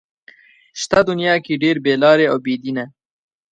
شته دنيا کې ډېر بې لارې او بې دينه